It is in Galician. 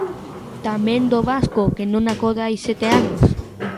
Tamén do vasco, que non acode hai sete anos.